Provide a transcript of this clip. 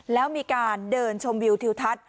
แล้วมีการเดินชมวิวทิวทัศน์